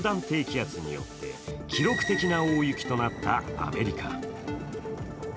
低気圧によって記録的な大雪となったアメリカ。